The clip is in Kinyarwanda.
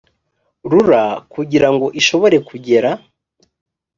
rura kugira ngo ishobore kugera